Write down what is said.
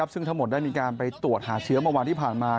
ซึ่งทั้งหมดได้มีการไปตรวจหาเชื้อเมื่อวานที่ผ่านมา